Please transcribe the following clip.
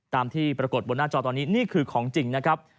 ตามที่ปรากฏบนหน้าจอตอนนี้นี่คือของจริงนะครับ